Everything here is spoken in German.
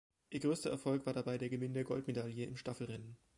Ihr größter Erfolg war dabei der Gewinn der Goldmedaille im Staffelrennen.